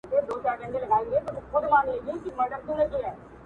راځه چې پیل کړو ژوند له سره بېرته